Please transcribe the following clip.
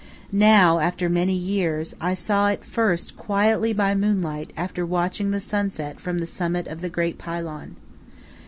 Now, after many years, I saw it first quietly by moonlight after watching the sunset from the summit of the great pylon.